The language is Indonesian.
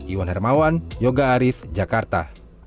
iwan hermawan yoga aris jakarta